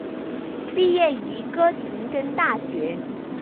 毕业于哥廷根大学。